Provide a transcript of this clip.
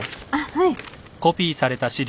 はい。